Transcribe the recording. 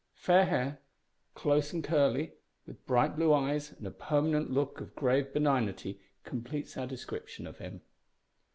Fair hair, close and curly, with bright blue eyes and a permanent look of grave benignity, completes our description of him.